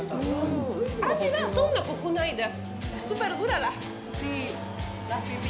味は、そんな濃くないです。